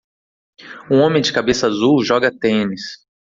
Um homem de cabeça azul joga tênis.